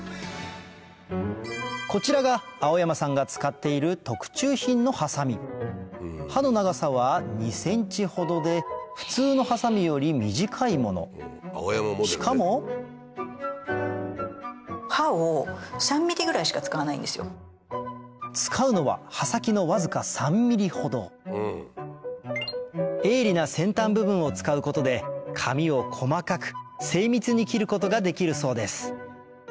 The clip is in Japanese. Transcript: こちらが蒼山さんが使っている特注品のハサミ刃の長さは２ｃｍほどで普通のハサミより短いものしかも使うのは刃先のわずか３ｍｍほど鋭利な先端部分を使うことで紙を細かく精密に切ることができるそうです